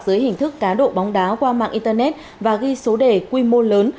dưới hình thức cá độ bóng đá qua mạng internet và ghi số đề quy mô lớn